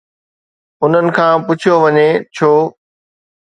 انهن کان پڇيو وڃي، ڇو؟